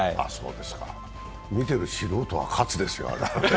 見てる素人は喝ですよ。